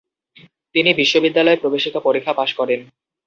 তিনি বিশ্ববিদ্যালয় প্রবেশিকা পরীক্ষা পাস করেন।